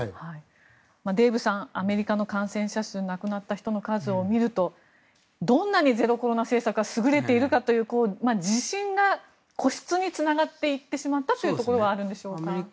デーブさん、アメリカの感染者数亡くなった人の数を見るとどんなにゼロコロナ政策が優れているかという自身が固執につながっていってしまったところがあるんでしょうか。